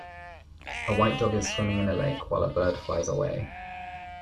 A white dog is swimming in a lake while a bird flies away.